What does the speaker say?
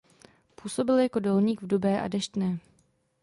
Působil jako rolník v Dubé a Deštné.